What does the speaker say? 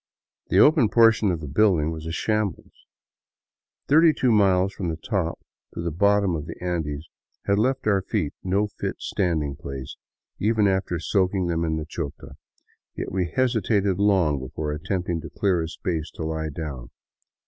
The open portion of the building was a shambles. Thirty two miles from the top to the bottom of the Andes had left our feet no fit standing place, even after soaking them in the Chota; yet we hesitated long before attempting to clear a space to lie down.